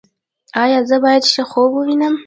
ایا زه باید ښه خوب ووینم؟